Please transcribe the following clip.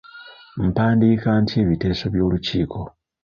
Mpandiika ntya ebiteeso by'olukiiko?